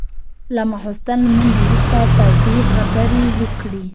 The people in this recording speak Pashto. له ماخستن لمونځ وروسته تودې خبرې وکړې.